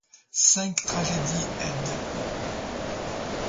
Cinq tragédies, éd.